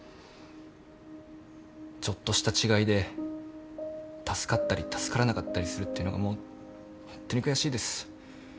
ちょっとした違いで助かったり助からなかったりするってのがもうホントに悔しいです。